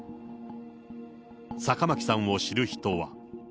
坂巻さんを知る人は。